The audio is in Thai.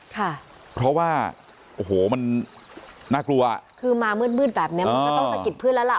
ค่ะเพราะว่าโอ้โหมันน่ากลัวคือมามืดมืดแบบเนี้ยมันก็ต้องสะกิดเพื่อนแล้วล่ะ